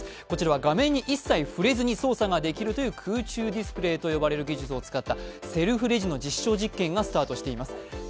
こちらは画面に一切触れずに操作ができる空中ディスプレイと呼ばれる技術を使ったセルフレジの実証実験がスタートしています。